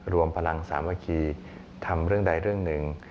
รวมพลังสามัคคีทำเรื่องใดเรื่องหนึ่ง